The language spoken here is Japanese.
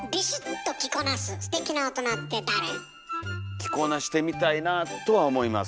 着こなしてみたいなぁとは思います